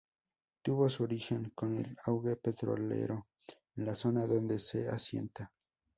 Tuvo su origen con el auge petrolero en la zona donde se asienta.